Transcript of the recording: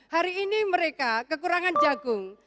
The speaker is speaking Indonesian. hari ini mereka kekurangan jagung